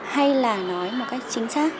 hay là nói một cách chính xác